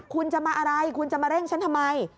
คุณจะมาอะไรคุณจะมาเร่งฉันทำไม